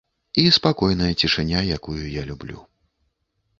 І спакойная цішыня, якую я люблю.